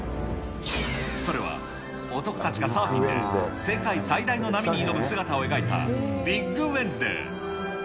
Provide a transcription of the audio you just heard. それは男たちがサーフィンで世界最大の波に乗る姿を描いた、ビッグウェンズデー。